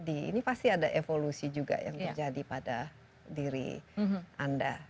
ini pasti ada evolusi juga yang terjadi pada diri anda